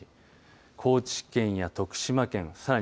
高知県や徳島県さらに